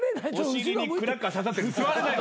お尻にクラッカーささってて座れない。